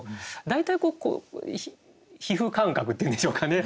大体皮膚感覚っていうんでしょうかね。